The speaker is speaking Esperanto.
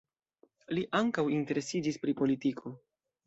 Li ankaŭ interesiĝis pri politiko.